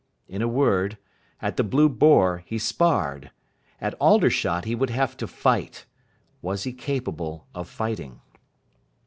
In a word, at the "Blue Boar" he sparred. At Aldershot he would have to fight. Was he capable of fighting?